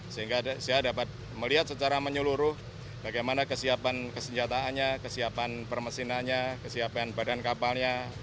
sehingga saya dapat melihat secara menyeluruh bagaimana kesiapan kesenjataannya kesiapan permesinannya kesiapan badan kapalnya